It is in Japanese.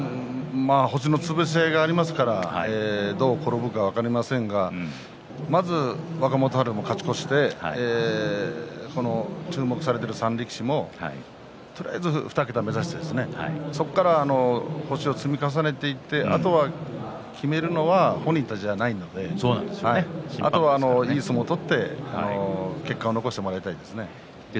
星の潰し合いがありますからどう転ぶか分かりませんがまず若元春も勝ち越して注目されている３力士もとりあえず２桁を目指してそこから星を積み重ねていってあと決めるのは本人たちじゃないのであとは、いい相撲を取って結果を残してもらいたいですね。